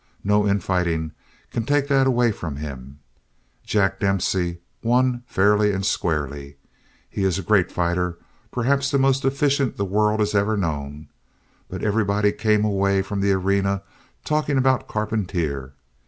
No infighting can take that away from him. Jack Dempsey won fairly and squarely. He is a great fighter, perhaps the most efficient the world has ever known, but everybody came away from the arena talking about Carpentier.